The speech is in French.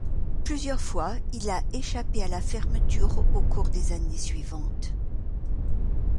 Plusieurs fois, il a échappé à la fermeture au cours des années suivantes.